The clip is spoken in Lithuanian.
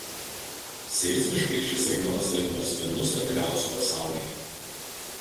Seismiškai šis regionas laikomas vienu stabiliausių pasaulyje.